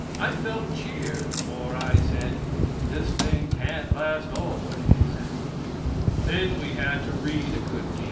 I felt cheered, for I said, "This thing can't last always." Then we had to read a good deal.